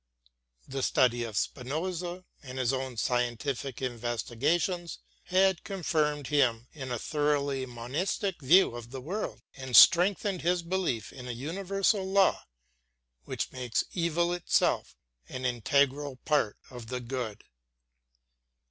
The study of Spinoza and his own scientific investigations had confirmed him in a thoroughly monistic view of the world and strengthened his belief in a universal law which makes evil itself an integral part of the good.